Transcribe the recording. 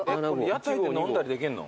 屋台で飲んだりできんの？